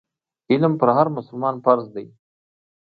علم پر هر مسلمان فرض دی.